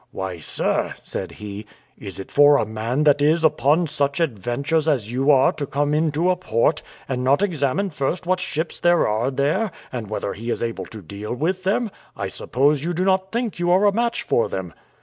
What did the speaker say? "Why, sir," said be, "is it for a man that is upon such adventures as you are to come into a port, and not examine first what ships there are there, and whether he is able to deal with them? I suppose you do not think you are a match for them?"